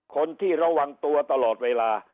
คนที่ระวังตัวตลอดเวลา